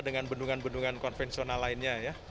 dengan bendungan bendungan konvensional lainnya ya